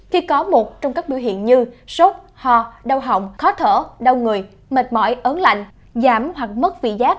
khi có một trong các biểu hiện như sốt ho đau họng khó thở đau người mệt mỏi ớn lạnh giảm hoặc mất vị giác